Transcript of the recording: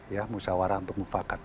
ya musyawarah untuk mufakat